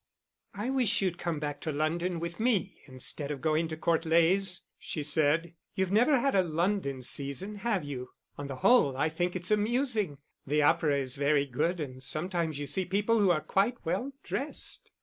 "I wish you'd come back to London with me instead of going to Court Leys," she said. "You've never had a London season, have you? On the whole I think it's amusing: the opera is very good and sometimes you see people who are quite well dressed."